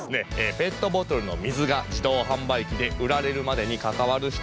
ペットボトルの水が自動販売機で売られるまでにかかわる人々をしょうかいします。